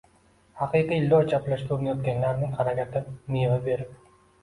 – haqqa loy chaplashga urinayotganlarning harakati meva berib